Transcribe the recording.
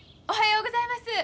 おはようございます。